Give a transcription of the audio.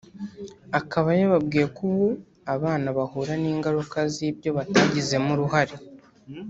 Akaba yababwiye ko ubu abana bahura n’ingaruka z’ibyo batagizemo uruhare